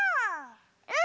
うん！